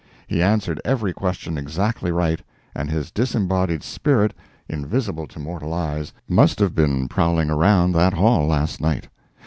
He answered every question exactly right; and his disembodied spirit, invisible to mortal eyes, must have been prowling around that hall last night.